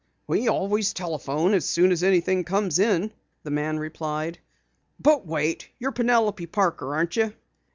"We always telephone as soon as anything comes in," the man replied. "But wait! You're Penelope Parker, aren't you?"